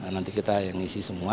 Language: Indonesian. nanti kita yang ngisi semua